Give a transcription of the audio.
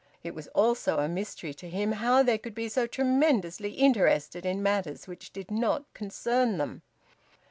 It was also a mystery to him how they could be so tremendously interested in matters which did not concern them.